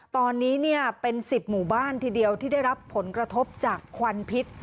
ตอนนี้เป็น๑๐หมู่บ้านทีเดียวที่ได้รับผลกระทบจากควันพิษ